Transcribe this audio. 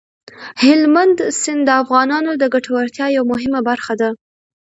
هلمند سیند د افغانانو د ګټورتیا یوه مهمه برخه ده.